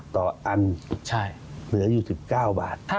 ต่ออันเหลืออยู่๑๙บาท